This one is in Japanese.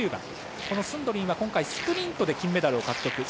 このスンドリンはスプリントで金メダルを獲得。